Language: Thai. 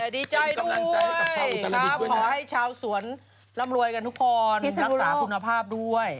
ดีใจด้วยขอให้ชาวสวนร่ำรวยกันทุกคนรักษาคุณภาพด้วย